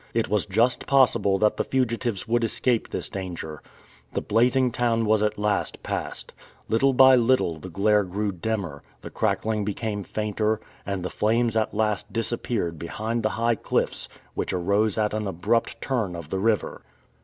It was just possible that the fugitives would escape this danger. The blazing town was at last passed. Little by little the glare grew dimmer, the crackling became fainter, and the flames at last disappeared behind the high cliffs which arose at an abrupt turn of the river.